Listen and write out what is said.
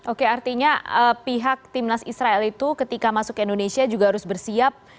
oke artinya pihak timnas israel itu ketika masuk ke indonesia juga harus bersiap